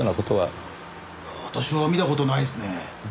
私は見た事ないですね。